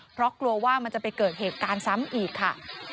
เพราะกลัวว่ามันจะไปเกิดเหตุการณ์ซ้ำอีกค่ะ